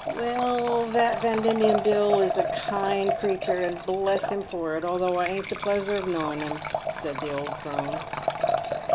" Well, that Yan Diemen Bill is a kind cretur, and bless him for it, though I ain't the pleasure o' knowing him," said the old crone.